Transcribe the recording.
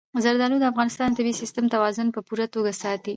زردالو د افغانستان د طبعي سیسټم توازن په پوره توګه ساتي.